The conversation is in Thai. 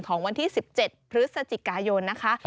ของวันที่๑๗พฤศจิกายนนะคะ